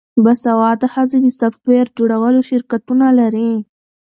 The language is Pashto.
باسواده ښځې د سافټویر جوړولو شرکتونه لري.